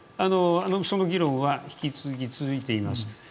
その議論は引き続き続いています。